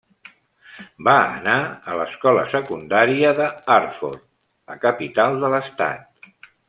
Va anar a l'escola secundària de Hartford, la capital de l'estat.